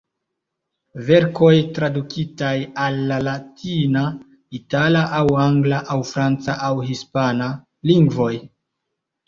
Verkoj tradukitaj al la latina, itala aŭ angla aŭ franca aŭ hispana... lingvoj.